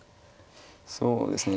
そうですね